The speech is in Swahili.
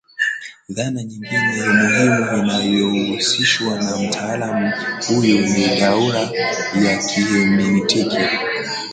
Dhana nyingine muhimu inayohusishwa na mtaalamu huyu ni duara ya kiheminitiki